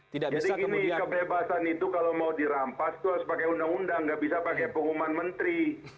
jadi kebebasan itu kalau mau dirampas itu harus pakai undang undang nggak bisa pakai pengumuman menteri